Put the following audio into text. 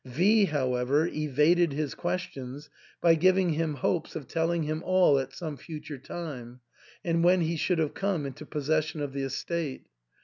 V , however, evaded his questions by giving him hopes of telling him all at some future time, and when he should have come into possession of the estate.